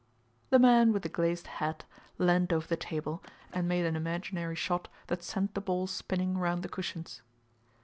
The man with the glazed hat leaned over the table and made an imaginary shot that sent the ball spinning round the cushions.